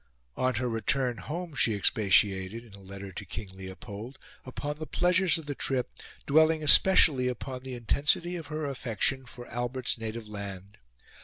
On her return home, she expatiated, in a letter to King Leopold, upon the pleasures of the trip, dwelling especially upon the intensity of her affection for Albert's native land.